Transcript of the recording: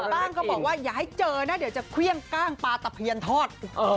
บ้างก็บอกว่าอย่าให้เจอนะเดี๋ยวจะเครื่องกล้างปลาตะเพียนทอด